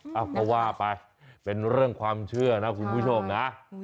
เอาก็ว่าไปเป็นเรื่องความเชื่อนะคุณผู้ชมนะ